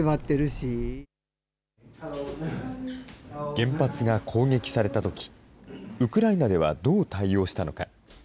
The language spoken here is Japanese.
原発が攻撃されたとき、ウクライナではどう対応したのか。